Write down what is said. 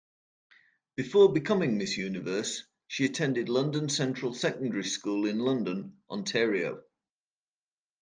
Before becoming Miss Universe, she attended London Central Secondary School in London, Ontario.